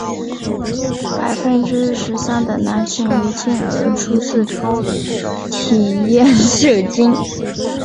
百分之十三的男性因遗精而初次体验射精。